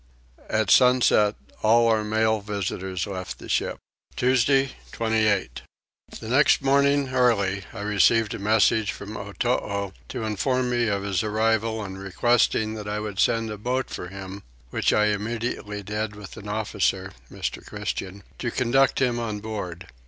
At sunset all our male visitors left the ship. Tuesday 28. The next morning early I received a message from Otoo to inform me of his arrival and requesting that I would send a boat for him; which I immediately did with an officer (Mr. Christian) to conduct him on board.